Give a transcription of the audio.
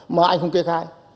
mà anh không kê khai